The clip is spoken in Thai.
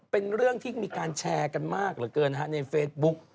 เป็นเรื่องที่มีการแชร์กันมากเหลือเกินฮะในเฟซบุ๊ก